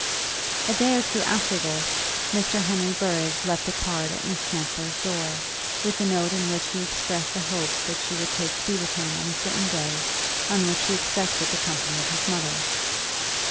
A day or two after this, Mr. Henry Burrage left a card at Miss Chancellor's door, with a note in which he expressed the hope that she would take tea with him on a certain day on which he expected the company of his mother.